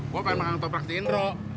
gua pengen makan toprak si indro